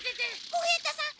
小平太さん